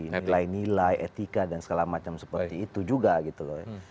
nilai nilai etika dan segala macam seperti itu juga gitu loh